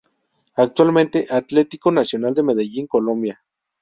Actualmente Atletico Nacional de Medellín, Colombia